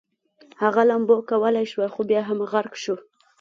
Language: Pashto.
هغه لامبو کولی شوه خو بیا هم غرق شو